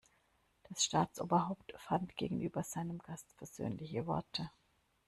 Das Staatsoberhaupt fand gegenüber seinem Gast versöhnliche Worte.